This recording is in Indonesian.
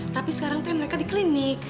tapi sekarang teh mereka di klinik